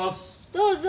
どうぞ。